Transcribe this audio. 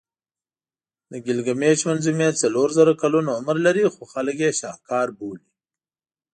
د ګیلګمېش منظومې څلور زره کلونه عمر لري خو خلک یې شهکار بولي.